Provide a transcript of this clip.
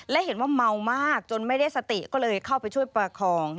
และเห็นว่าเมามากจนไม่ได้สติก็เลยเข้าไปช่วยประคอง